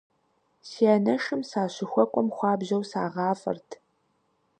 Си анэшым сащыхуэкӀуэм хуабжьэу сагъафӏэрт.